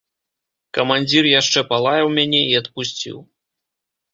Камандзір яшчэ палаяў мяне і адпусціў.